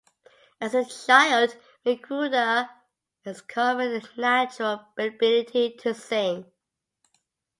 As a child, McGruder discovered a natural ability to sing.